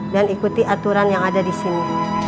dan ikuti aturan yang ada di sini